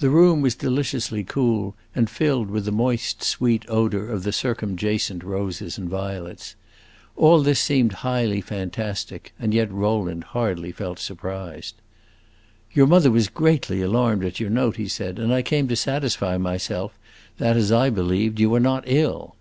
The room was deliciously cool, and filled with the moist, sweet odor of the circumjacent roses and violets. All this seemed highly fantastic, and yet Rowland hardly felt surprised. "Your mother was greatly alarmed at your note," he said, "and I came to satisfy myself that, as I believed, you are not ill."